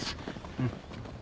うん。